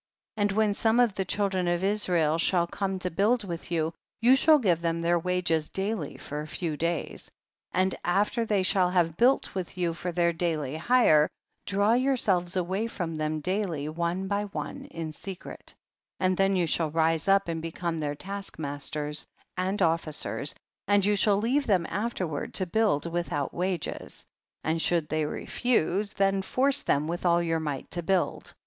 12. And when some of the chil dren of Israel shall come to build with you, you shall give them their wages daily for a few days. 13. And after they shall have built with you for their daily hire, draw yourselves away from them daily one by one in secret, and then you shall rise up and become their task mas ters and officers, and you shall leave them afterward to build without wa ges, and should they refuse, then force them with all your might to build.